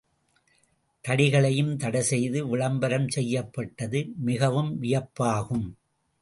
தடிகளையும் தடைசெய்து விளம்பரஞ் செய்யப்பட்டது மிகவும் வியப்பாகும்!